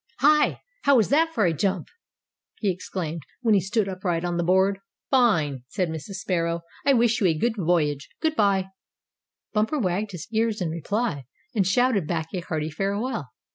"Hi! How was that for a jump!" he exclaimed, when he stood upright on the board. "Fine!" said Mrs. Sparrow. "I wish you a good voyage! Good bye!" Bumper wagged his ears in reply, and shouted back a hearty farewell.